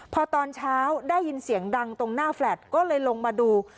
พอตอนเช้าได้ยินเสียงดังตรงหน้าแฟลต์ก็เลยลงมาดู